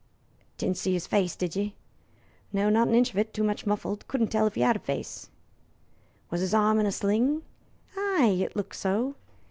"Didn't see 'is face, did ye?" "No not an inch of it; too much muffled. Couldn't tell if he 'ad a face." "Was his arm in a sling?" "Ay, it looked so.